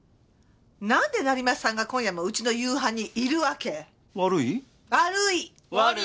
なんで成増さんが今夜もうちの夕飯にいるわけ？悪い？